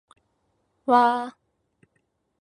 わー